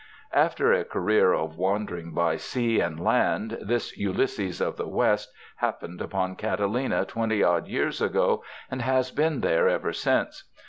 After a career of wandering by sea and land this Ulysses of the West happened upon Catalina twenty odd years ago and has been there ever since.